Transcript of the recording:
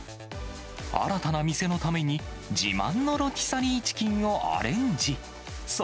新たな店のために自慢のロティサリーチキンをアレンジ。